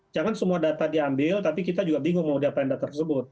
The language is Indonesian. jangan semua data diambil tapi kita juga bingung mau dia perindak tersebut